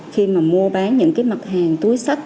khi mà mua bán những cái mặt hàng túi sách